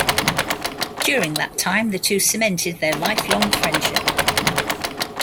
During that time the two cemented their lifelong friendship.